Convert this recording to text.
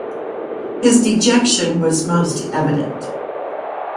His dejection was most evident.